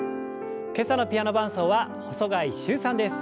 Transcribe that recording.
今朝のピアノ伴奏は細貝柊さんです。